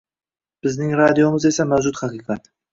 Bizning radiomiz esa mavjud haqiqat.